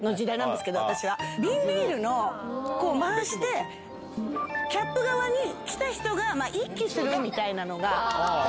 瓶ビール回してキャップ側に来た人が一気するみたいなのが。